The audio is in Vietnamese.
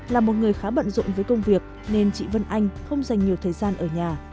là một người khá bận rộn với công việc nên chị vân anh không dành nhiều thời gian ở nhà